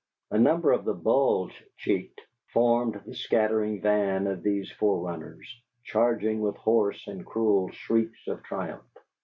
A number of the bulge cheeked formed the scattering van of these forerunners, charging with hoarse and cruel shrieks of triumph.